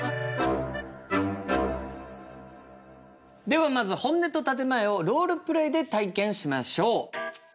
ではまず「本音」と「建て前」をロールプレイで体験しましょう。